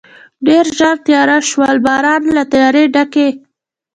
ډېر ژر تېاره شول، باران او له تیارې ډکې.